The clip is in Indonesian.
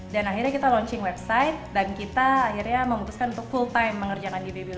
dan akhirnya kita launching website dan kita akhirnya memutuskan untuk full time mengerjakan